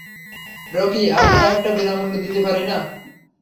Rocky, আমরা এটা বিনামূল্যে দিতে পারি না।